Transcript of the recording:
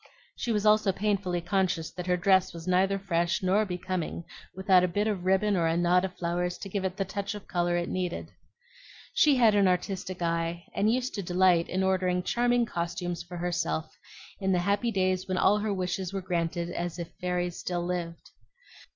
She was also painfully conscious that her dress was neither fresh nor becoming without a bit of ribbon or a knot of flowers to give it the touch of color it needed. She had an artistic eye, and used to delight in ordering charming costumes for herself in the happy days when all her wishes were granted as if fairies still lived.